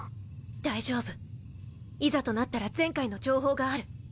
大丈夫いざとなったら前回の情報がある。